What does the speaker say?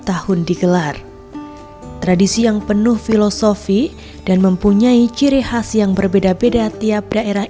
tahun digelar tradisi yang penuh filosofi dan mempunyai ciri khas yang berbeda beda tiap daerah